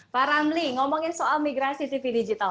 pak ramli ngomongin soal migrasi tv digital